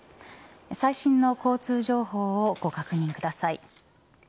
最新の交通情報をご確認ください。